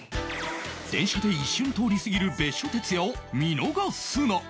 電車で一瞬通り過ぎる別所哲也を見逃すな！